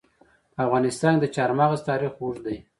په افغانستان کې د چار مغز تاریخ اوږد دی.